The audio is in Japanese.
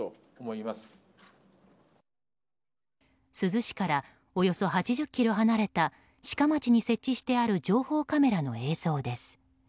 珠洲市からおよそ８０ｋｍ離れた志賀町に設置してある情報カメラの映像です。